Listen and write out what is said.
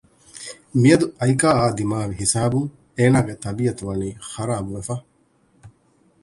މިއަދު އައިކާއާ ދިމާވި ހިސާބުން އޭނާގެ ޠަބީއަތު ވަނީ ޚަރާބުވެފަ